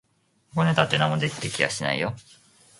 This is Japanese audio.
ごねたって何も出て来やしないよ